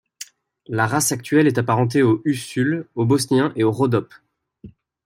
La race actuelle est apparentée au Huçul, au Bosnien et au Rodope.